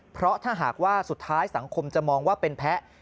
เพราะถ้าหากว่าสุดท้ายสังคมจะมองว่าเป็นแพ้